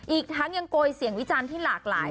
อีกทั้งยังโกยเสียงวิจารณ์ที่หลากหลาย